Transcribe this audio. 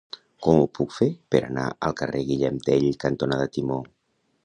Com ho puc fer per anar al carrer Guillem Tell cantonada Timó?